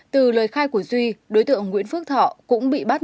từ lời khai của duy đối tượng nguyễn phước thọ cũng bị bắt